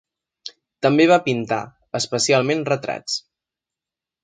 També va pintar, especialment retrats.